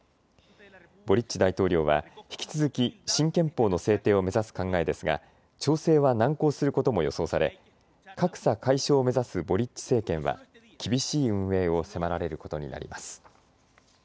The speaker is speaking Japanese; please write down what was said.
ボリッチ大統領は引き続き新憲法の制定を目指す考えですが調整は難航することも予想され格差解消を目指すボリッチ政権は厳しい運営を迫られることになります。